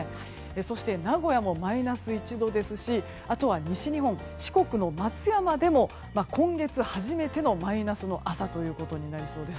そして、名古屋もマイナス１度ですしあとは西日本、四国の松山でも今月初めてのマイナスの朝となりそうです。